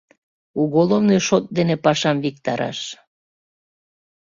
— Уголовный шот дене пашам виктараш.